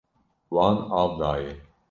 Wan av daye.